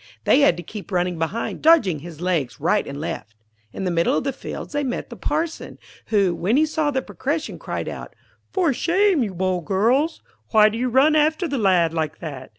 They had to keep running behind, dodging his legs right and left. In the middle of the fields they met the Parson, who, when he saw the procession, cried out: 'For shame, you bold girls! Why do you run after the lad like that?